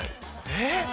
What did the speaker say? えっ？